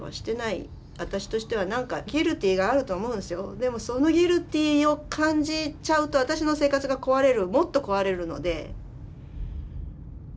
でもそのＧＵＩＬＴＹを感じちゃうと私の生活が壊れるもっと壊れるので。